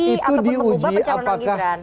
itu di uji apakah